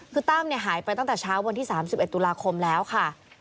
คือตั้มหายไปตั้งแต่เช้าวันที่๓๑ตุลาคมแล้วค่ะ